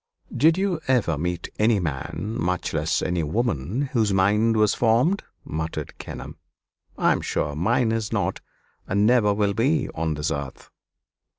"Did you ever meet any man, much less any woman, whose mind was formed?" muttered Kenelm. "I am sure mine is not, and never will be on this earth."